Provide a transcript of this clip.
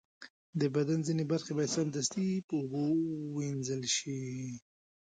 د بدن ځینې برخې باید سمدستي په اوبو ومینځل شي.